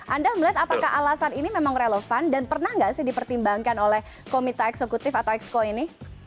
anda melihat apakah alasan ini memang relevan dan pernah nggak sih dipertimbangkan oleh komite eksekutif atau exco ini